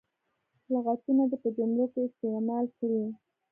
لغتونه دې په جملو کې استعمال کړي.